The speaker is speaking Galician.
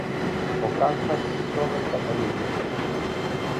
O Cangas xoga en Cataluña.